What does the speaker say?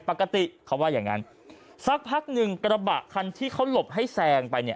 ปกติเขาว่าอย่างงั้นสักพักหนึ่งกระบะคันที่เขาหลบให้แซงไปเนี่ย